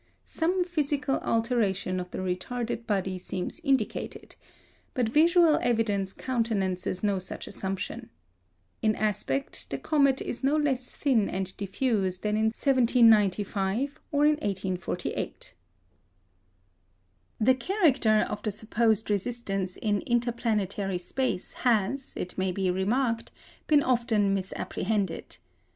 Some physical alteration of the retarded body seems indicated; but visual evidence countenances no such assumption. In aspect the comet is no less thin and diffuse than in 1795 or in 1848. The character of the supposed resistance in inter planetary space has, it may be remarked, been often misapprehended.